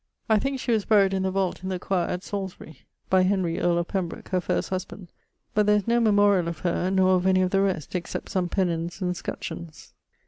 I thinke she was buryed in the vault in the choire at Salisbury, by Henry, earl of Pembroke, her first husband: but there is no memoriall of her, nor of any of the rest, except some penons and scutcheons.